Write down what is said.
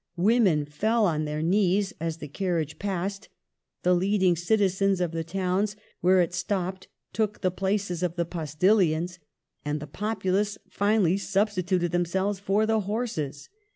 Women fell on their knees as the carriage passed ; the leading citizens of the towns where it stopped took the places of the postilions, and the populace finally substituted themselves for the horses.